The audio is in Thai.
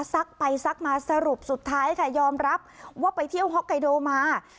ซักไปซักมาสรุปสุดท้ายค่ะยอมรับว่าไปเที่ยวฮ็อกไกโดมา